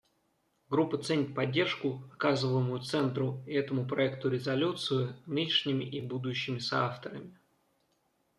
Группа ценит поддержку, оказываемую Центру и этому проекту резолюции нынешними и будущими соавторами.